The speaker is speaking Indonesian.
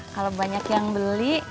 kalau banyak yang beli